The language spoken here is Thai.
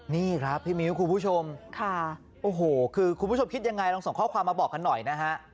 นี่ครับพี่มิ้วคุณผู้ชมโอ้โหคือคุณผู้ชมคิดยังไงลองส่งข้อความมาบอกกันหน่อยนะฮะ